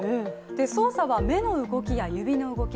操作は目の動きや指の動き。